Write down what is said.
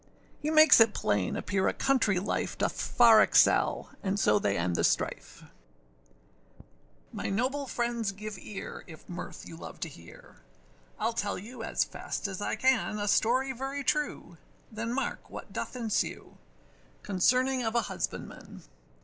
He makes it plain appear a country life Doth far excel: and so they end the strife. MY noble friends give ear, if mirth you love to hear, Iâll tell you as fast as I can, A story very true, then mark what doth ensue, Concerning of a husbandman.